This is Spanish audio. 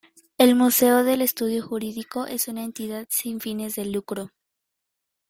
El Museo del Estudio Jurídico es una entidad sin fines de lucro.